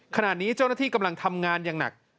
ขณะนี้เจ้าหน้าที่กำลังทำงานอย่างหนัก